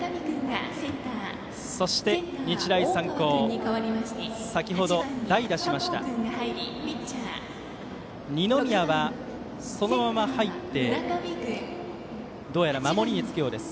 そして日大三高先程、代打しました二宮はそのまま入ってどうやら守りにつくようです。